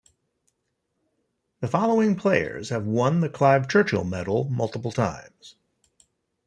The following players have won the Clive Churchill Medal multiple times.